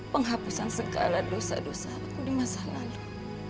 penghapusan segala dosa dosa di masa lalu